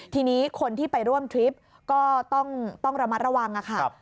ทีนี้คนที่ไปร่วมทริปก็ต้องระมัดระวังค่ะ